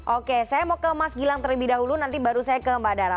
oke saya mau ke mas gilang terlebih dahulu nanti baru saya ke mbak dara